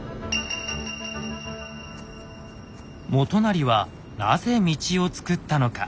元就はなぜ道をつくったのか。